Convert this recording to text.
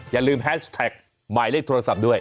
อย่าลืมแฮชแท็กหมายเลขโทรศัพท์ด้วย